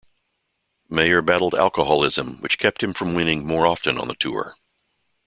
Mayer battled alcoholism, which kept him from winning more often on the Tour.